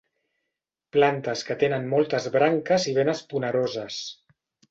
Plantes que tenen moltes branques i ben esponeroses.